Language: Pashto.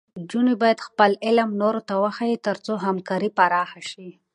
نجونې باید خپل علم نورو ته وښيي، تر څو همکاري پراخه شي.